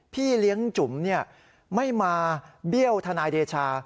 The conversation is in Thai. พี่เลี้ยงจุ๋มไม่มาเบี้ยวทนายเดชา